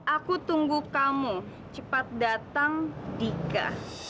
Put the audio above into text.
aku tunggu kamu cepat datang dika